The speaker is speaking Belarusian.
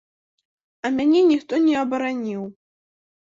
А мяне ніхто не абараніў.